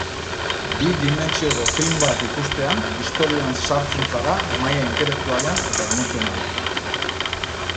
Bi dimentsioko film bat ikustean istorioan sartzen zara maila intelektualean eta emozionalean.